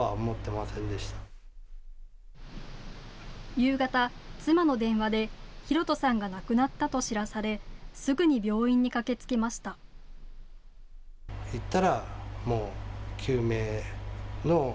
夕方、妻の電話で大斗さんが亡くなったと知らされすぐに病院に駆けつけました。